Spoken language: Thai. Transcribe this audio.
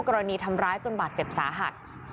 กรณีทำร้ายจนบาดเจ็บสาหัส